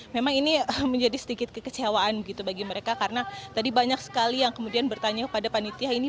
memang ini menjadi sedikit kekecewaan begitu bagi mereka karena tadi banyak sekali yang kemudian bertanya kepada panitia ini